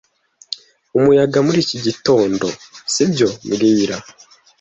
Umuyaga muri iki gitondo, sibyo mbwira